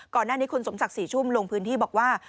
ก่อนหน้านี้คุณสมศักดิ์ศรีชุ่มลงพื้นที่บอกว่า